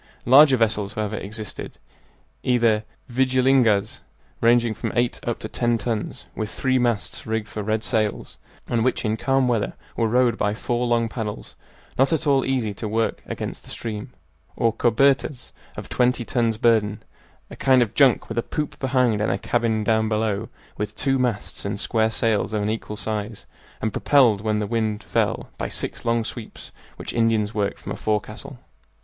Larger vessels, however, existed, either "vigilingas," ranging from eight up to ten tons, with three masts rigged with red sails, and which in calm weather were rowed by four long paddles not at all easy to work against the stream; or "cobertas," of twenty tons burden, a kind of junk with a poop behind and a cabin down below, with two masts and square sails of unequal size, and propelled, when the wind fell, by six long sweeps which Indians worked from a forecastle.